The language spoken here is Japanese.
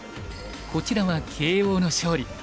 こちらは慶應の勝利。